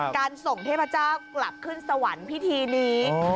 การส่งเทพเจ้ากลับขึ้นสวรรค์พิธีนี้